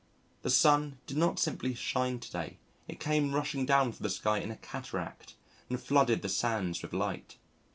The sun did not simply shine to day it came rushing down from the sky in a cataract and flooded the sands with light.